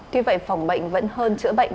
tuy vậy phòng bệnh vẫn hơn chữa bệnh